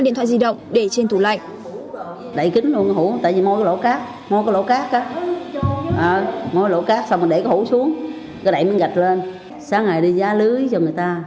hai điện thoại di động để trên tủ lạnh